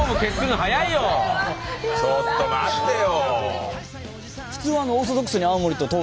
ちょっと待ってよ。